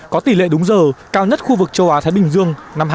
có tỷ lệ đúng giờ cao nhất khu vực châu á thái bình dương năm hai nghìn hai mươi